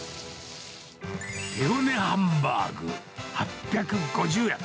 手ごねハンバーグ８５０円。